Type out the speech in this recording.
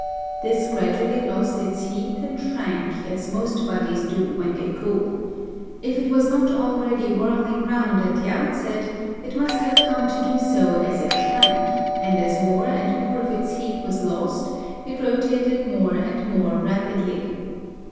This gradually lost its heat and shrank as most bodies do when they cool. If it was not already whirling round at the outset it must have come to do so as it shrank, and as more and more of its heat was lost it rotated more and more rapidly.